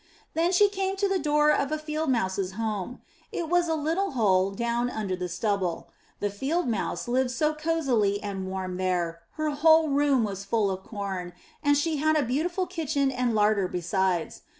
Then she came to the door of a Field Mouse's home. It was a little hole down under the stubble. The Field Mouse lived so cosily and warm there, her whole room was full of corn, and she had a beautiful kitchen and larder besides.